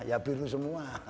ya biru semua